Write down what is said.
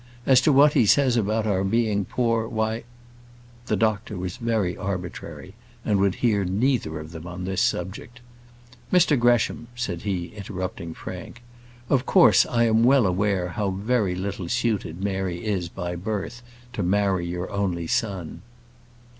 As to what he says about our being poor, why " The doctor was very arbitrary, and would hear neither of them on this subject. "Mr Gresham," said he, interrupting Frank, "of course I am well aware how very little suited Mary is by birth to marry your only son."